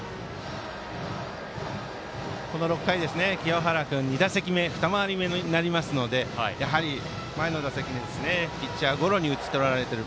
６回、清原君２打席目２回り目になりますのでやはり前の打席ピッチャーゴロに打ち取られてる。